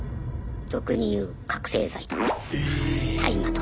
俗に言う覚醒剤とか大麻とか。